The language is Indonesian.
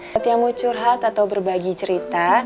ketika mau curhat atau berbagi cerita